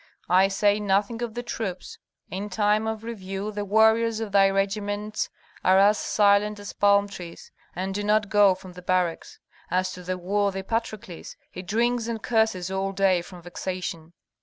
I say nothing of the troops. In time of review the warriors of thy regiments are as silent as palm trees, and do not go from the barracks. As to the worthy Patrokles, he drinks and curses all day from vexation."